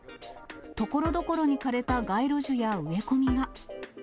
ところどころに枯れた街路樹や植え込みが。